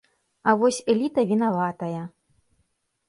А вось эліта вінаватая.